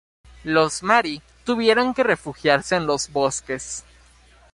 Los mari tuvieron que refugiarse en los bosques.